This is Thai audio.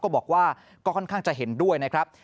บอกว่าก็ค่อนข้างจะเห็นด้วยนะครับ